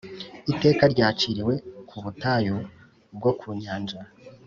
Iteka ryaciriwe ku butayu bwo ku nyanja